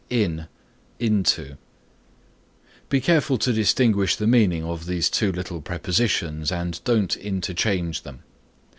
IN INTO Be careful to distinguish the meaning of these two little prepositions and don't interchange them.